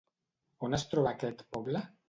On es troba aquest poble?